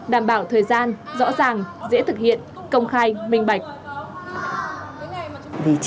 đảm bảo thời gian rõ ràng dễ thực hiện công khai minh bạch